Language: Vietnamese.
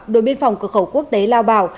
đội biên phòng cơ khẩu quốc tế lao bảo